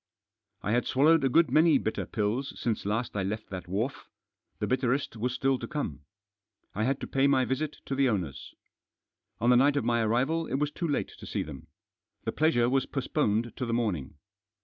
I had swallowed a good many bitter pills since last I left that wharf — the bitterest was still to come. I had to pay my visit to the owners. On the night of my arrival it was too late to see them. The pleasure was postponed to the morning.